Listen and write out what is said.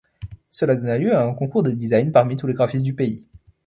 Cela donna lieu à un concours de design parmi tous les graphistes du pays.